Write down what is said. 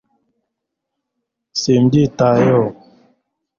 simbyitayeho